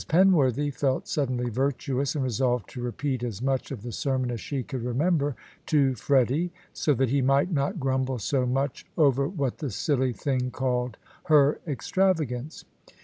Penworthy felt suddenly virtuous, and resolved to repeat as much of the sermon as she could remember to Freddy, so that he might not grumble so much over what the silly thing called "her extravagance."